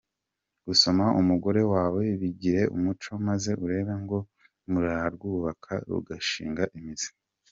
Gusoma umugore wawe bigire umuco maze urebe ngo murarwubaka rugashinga imizi.